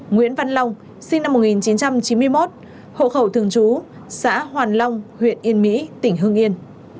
nguyễn văn long sinh năm một nghìn chín trăm chín mươi một hộ khẩu thường trú xã hoàn long huyện yên mỹ tỉnh hương yên